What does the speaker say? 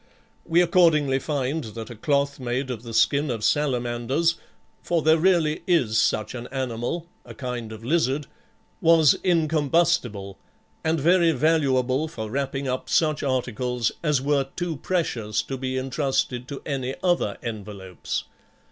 We accordingly find that a cloth made of the skin of salamanders (for there really is such an animal, a kind of lizard) was incombustible, and very valuable for wrapping up such articles as were too precious to be intrusted to any other envelopes.